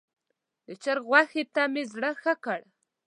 د چرګ غوښې ته مې زړه ښه کړ.